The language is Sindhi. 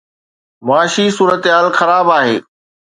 معاشي صورتحال خراب آهي.